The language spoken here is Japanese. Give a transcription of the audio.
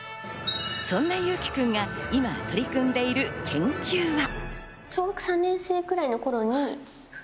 そんな侑輝くんが今、取り組んでいる研究は。